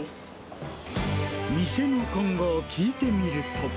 店の今後を聞いてみると。